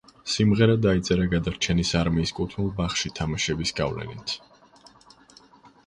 სიმღერა დაიწერა გადარჩენის არმიის კუთვნილ ბაღში თამაშების გავლენით.